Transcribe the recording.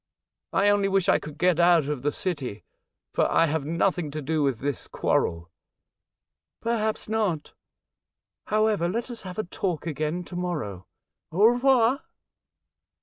I only wish I could get out of the city, for I have nothing to do with this quarrel." " Perhaps not. However, let us have a talk again to morrow. Au revoir